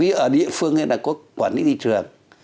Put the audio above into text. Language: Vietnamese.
ví dụ ở địa phương hay là có quản lý thị trường